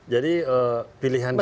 jadi pilihan dia